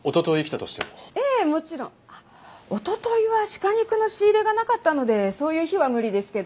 あっおとといは鹿肉の仕入れがなかったのでそういう日は無理ですけど。